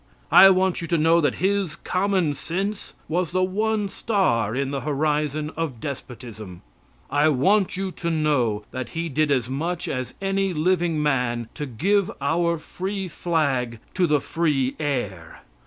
I want you to know that his "Common Sense" was the one star in the horizon of despotism. I want you to know that he did as much as any living man to give our free flag to the free air.